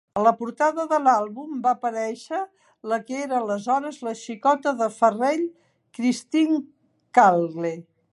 A la portada de l'àlbum va aparèixer la que era aleshores la xicota de Farrell, Christine Cagle.